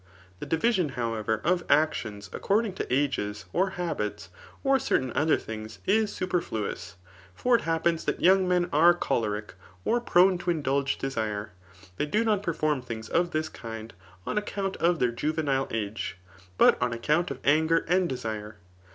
The division, however, of actions according to ages, or habits, or certain other things, is super6uous. For if it happens that young men are cho leric, or prone to indulge desire, they do not perform things of this kind on account of their juvenile age, but on account of anger and desire.